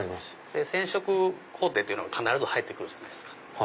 染色工程っていうのが必ず入って来るじゃないですか。